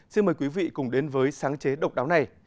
xin mời quý vị cùng đến với sáng chế độc đáo này